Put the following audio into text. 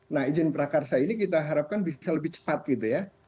nah izin prakarsa ini kita harapkan bisa lebih cepat gitu ya